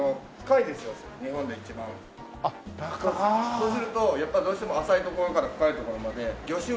そうするとやっぱりどうしても浅い所から深い所まで魚種が多くとれる。